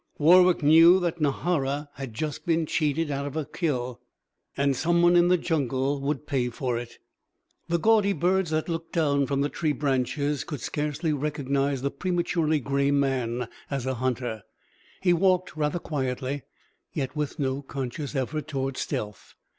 Warwick knew that Nahara had just been cheated out of her kill and someone in the jungle would pay for it. The gaudy birds that looked down from the tree branches could scarcely recognize this prematurely gray man as a hunter. He walked rather quietly, yet with no conscious effort toward stealth.